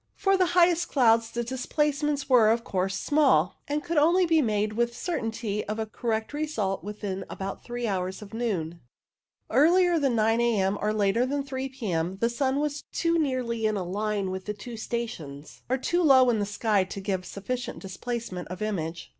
For the highest clouds the displacements were, of course, small, and could only be made with certainty of a correct result within about three hours of noon. Earlier than 9 a.m., or later than 3 p.m., the sun was too nearly in a line with the two stations, or too low in the sky, to give a sufficient displacement of image.